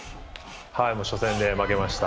はい、初戦で負けました。